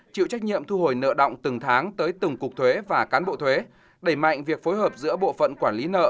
chịu trách nhiệm thu hồi nợ động từng tháng tới từng cục thuế và cán bộ thuế đẩy mạnh việc phối hợp giữa bộ phận quản lý nợ